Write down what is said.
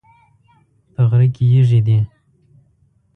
په غره کې یږي دي